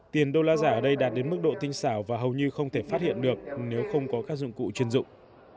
tiền đô la giả ở đây đạt đến mức độ tinh xảo và hầu như không thể phát hiện được nếu không có các dụng cụ chuyên dụng